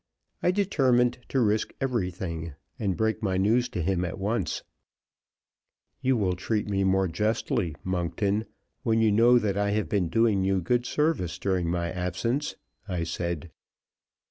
I determined to risk everything, and break my news to him at once. "You will treat me more justly, Monkton, when you know that I have been doing you good service during my absence," I said.